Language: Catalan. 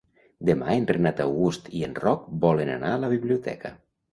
Demà en Renat August i en Roc volen anar a la biblioteca.